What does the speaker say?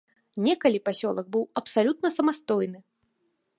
Некалі пасёлак быў абсалютна самастойны.